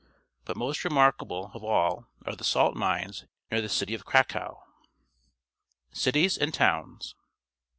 But most remarkable of all are the salt mines near the citj of Cracow. Cities and Towns.